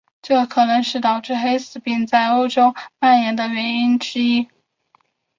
这可能是导致黑死病在欧洲蔓延的原因之一。